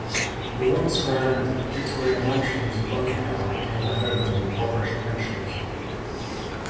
The once-grand Victorian mansions of Bunker Hill became the home of impoverished pensioners.